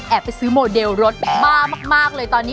ไปซื้อโมเดลรถบ้ามากเลยตอนนี้